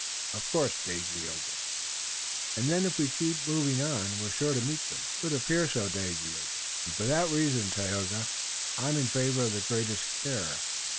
"Of course, Dagaeoga." "And then, if we keep moving on, we're sure to meet them?" "It would appear so, Dagaeoga." "And for that reason, Tayoga, I'm in favor of the greatest care.